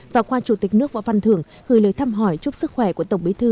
và qua chủ tịch nước võ văn thường gửi lời thăm hỏi chúc sức khỏe của tổng bí thư